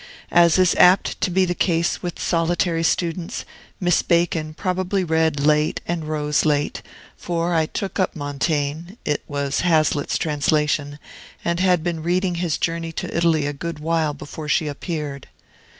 As is apt to be the case with solitary students, Miss Bacon probably read late and rose late; for I took up Montaigne (it was Hazlitt's translation) and had been reading his journey to Italy a good while before she appeared.